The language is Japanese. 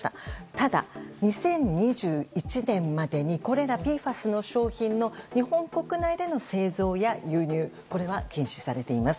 ただ、２０２１年までにこれらＰＦＡＳの商品の日本国内での製造や輸入は禁止されています。